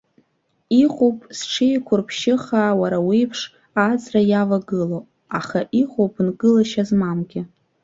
Иҟоуп зҽеиқәырԥшьыхаа, уара уеиԥш, ааҵра иавагылоу, аха иҟоуп нкылашьа змамгьы.